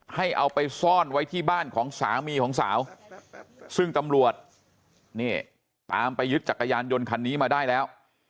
ให้เอาไปซ่อนไว้ที่บ้านของสามีของสาวซึ่งตำรวจนี่ตามไปยึดจักรยานยนต์คันนี้มาได้แล้ว